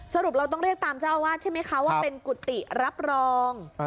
สรุปเราต้องเรียกตามเจ้าอาวาสใช่ไหมคะว่าเป็นกุฏิรับรอง